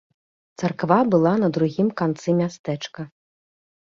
Царква была на другім канцы мястэчка.